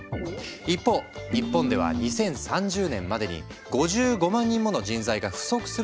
一方日本では２０３０年までに５５万人もの人材が不足するとの予測が。